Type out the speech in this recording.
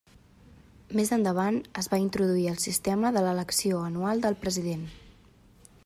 Més endavant, es va introduir el sistema de l'elecció anual del president.